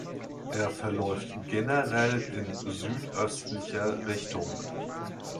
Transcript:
Er verläuft generell in südöstlicher Richtung.